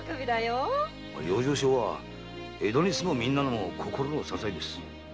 養生所は江戸に住むみんなの心の支えです。